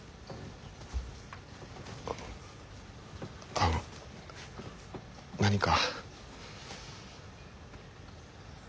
あの何か。